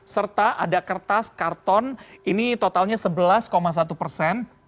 serta ada kertas karton ini totalnya sebelas satu persen